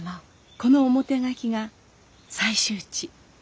この表書きが採集地。